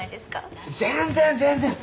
全然全然。